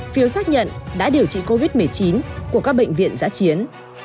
phiếu xác nhận đã điều trị covid một mươi chín của các bệnh viện giã chiến